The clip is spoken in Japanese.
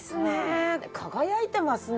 輝いてますね！